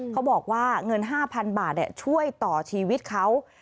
เขาบอกว่าเงิน๕๐๐๐บาทช่วยต่อชีวิตเขา